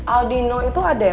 aldino itu ada ya